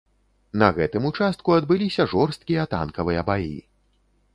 На гэтым участку адбыліся жорсткія танкавыя баі.